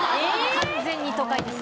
完全に都会です。